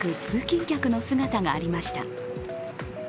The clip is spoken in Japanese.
通勤客の姿がありました。